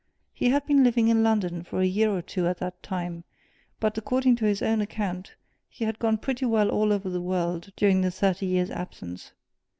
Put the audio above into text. He had been living in London for a year or two at that time; but, according to his own account, he had gone pretty well all over the world during the thirty years' absence.